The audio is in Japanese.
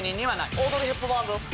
オードリー・ヘプバーンです。